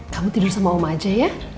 kamu tidur sama om aja ya